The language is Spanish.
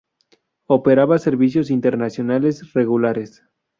Operaba servicios internacionales regulares.